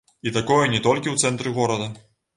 І такое не толькі ў цэнтры горада.